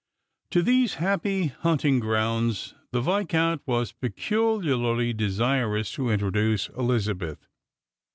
To these happy hunting grounds, the Viscount was peculiarly desirous to introduce Elizabeth.